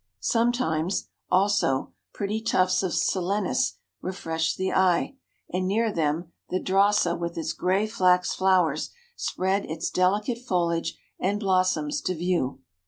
The Pic du Midi. Sometimes, also, pretty tufts of silenas refreshed the eye, and near them the drasa with its grey flax flowers spread its delicate foliage and blossoms to view.